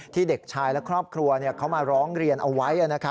เด็กชายและครอบครัวเขามาร้องเรียนเอาไว้